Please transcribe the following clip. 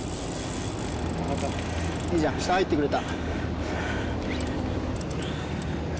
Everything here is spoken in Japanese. いいじゃん下入ってくれた